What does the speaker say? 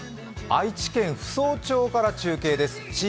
愛知県扶桑町から中継です。